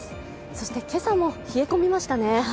そして、今朝も冷え込みましたね。